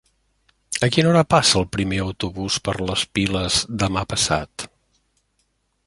A quina hora passa el primer autobús per les Piles demà passat?